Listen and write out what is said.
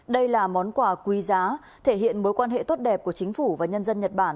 đây là món quà quý giá thể hiện mối quan hệ tốt đẹp của chính phủ và nhân dân nhật bản